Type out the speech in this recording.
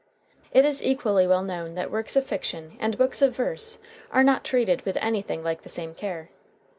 ... It is equally well known that works of fiction and books of verse are not treated with anything like the same care.